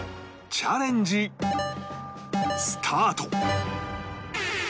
チャレンジスタート